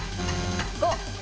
５！